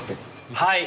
はい。